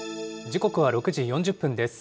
時刻は６時４０分です。